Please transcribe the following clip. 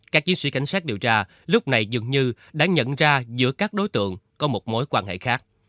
các chiến sĩ cảnh sát điều tra lúc này dường như đã nhận ra giữa các đối tượng có một mối quan hệ khác